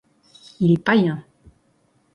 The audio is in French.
Il est païen.